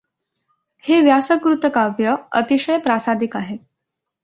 हे व्यासकृत काव्य अतिशय प्रासादिक आहे.